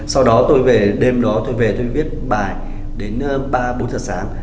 sau đó tôi về đêm đó tôi về tôi viết bài đến ba bốn giờ sáng